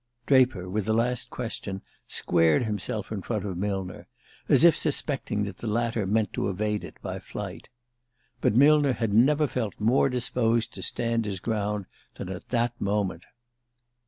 Draper, with the last question, squared himself in front of Millner, as if suspecting that the latter meant to evade it by flight. But Millner had never felt more disposed to stand his ground than at that moment.